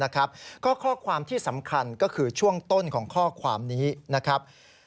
ก็ข้อความที่สำคัญก็คือช่วงต้นของข้อความนี้นะครับ